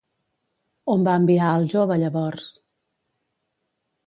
On va enviar al jove llavors?